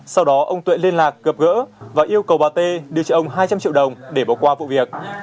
sau đó ông tuệ liên lạc gặp gỡ và yêu cầu bà t đưa cho ông hai trăm linh triệu đồng để bỏ qua vụ việc